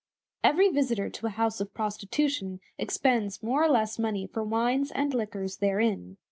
Every visitor to a house of prostitution expends more or less money for wines and liquors therein.